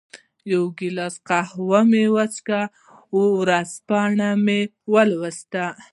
یو ګیلاس قهوه مې هم وڅېښل، ورځپاڼې مې ولوستې.